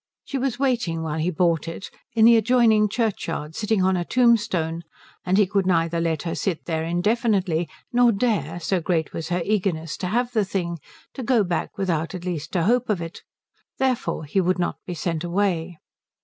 She was waiting while he bought it in the adjoining churchyard sitting on a tombstone, and he could neither let her sit there indefinitely nor dare, so great was her eagerness to have the thing, go back without at least a hope of it. Therefore he would not be sent away.